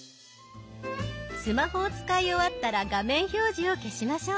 スマホを使い終わったら画面表示を消しましょう。